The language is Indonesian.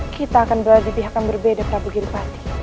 kita akan berada di pihak yang berbeda prabu gilvanti